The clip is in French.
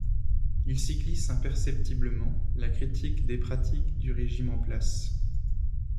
Il s'y glisse imperceptiblement la critique des pratiques du régime en place.